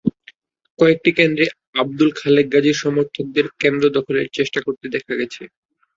কয়েকটি কেন্দ্রে আবদুল খালেক গাজীর সমর্থকদের কেন্দ্র দখলের চেষ্টা করতে দেখা গেছে।